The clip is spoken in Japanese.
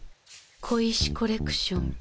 小石コレクション。